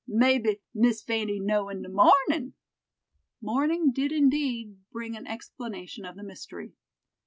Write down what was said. "Mebbe Miss Fanny know in de mornin'." Morning did indeed bring an explanation of the mystery.